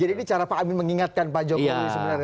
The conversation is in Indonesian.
jadi ini cara pak amin mengingatkan pak jokowi sebenarnya